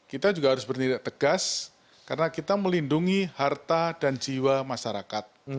kita juga harus bertindak tegas karena kita melindungi harta dan jiwa masyarakat